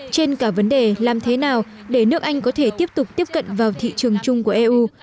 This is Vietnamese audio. trên cả vấn đề làm thế nào để nước anh có thể tiếp tục tiếp cận vào thị trường chung của eu